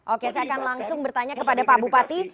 oke saya akan langsung bertanya kepada pak bupati